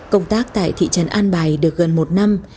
công tác tại thị trấn an bài được gần một năm